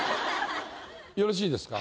よろしいですか。